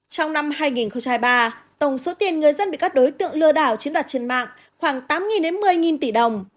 trong năm hai nghìn ba tổng số tiền người dân bị các đối tượng lừa đảo chiến đoạt trên mạng khoảng tám một mươi tỷ đồng